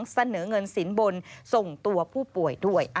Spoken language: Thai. เสนอเงินสินบนส่งตัวผู้ป่วยด้วย